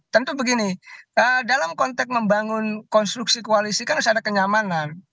tentu begini dalam konteks membangun konstruksi koalisi kan harus ada kenyamanan